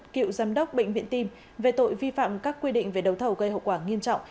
cựu giám đốc bệnh viện tim về tội vi phạm các quy định về đấu thầu gây hậu quả nghiêm trọng